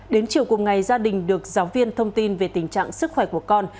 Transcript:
đến chiều cùng ngày gia đình được giáo viên thông tin về tình trạng sức khỏe của con